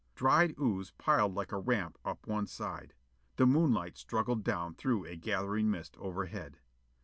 Dried ooze piled like a ramp up one side. The moonlight struggled down through a gathering mist overhead.